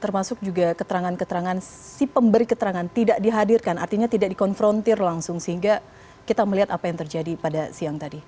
termasuk juga keterangan keterangan si pemberi keterangan tidak dihadirkan artinya tidak dikonfrontir langsung sehingga kita melihat apa yang terjadi pada siang tadi